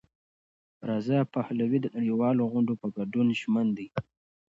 رضا پهلوي د نړیوالو غونډو په ګډون ژمن دی.